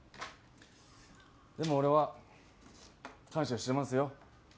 でも俺は感謝してますよ。